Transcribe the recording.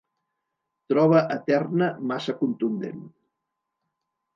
Troba eterna massa contundent.